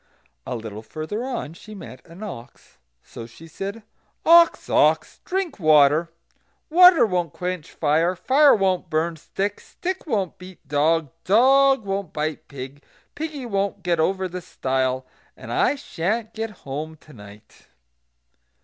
A little further on she met an ox. So she said: "Ox! ox! drink water; water won't quench fire; fire won't burn stick; stick won't beat dog; dog won't bite pig; piggy won't get over the stile; and I sha'n't get home to night."